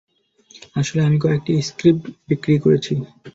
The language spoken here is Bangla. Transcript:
আসলে, আমি কয়েকটি স্ক্রিপ্ট বিক্রি করেছি।